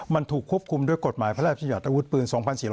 มันถูกควบคุมด้วยกฎหมายพระราชยัติอาวุธปืน๒๔๙